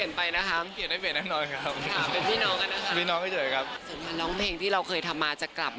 แต่อย่าให้เขียนไปนะครับ